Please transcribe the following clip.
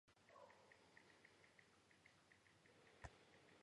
ალბომმა დადებითი შეფასება მიიღო მუსიკის კრიტიკოსებისგან.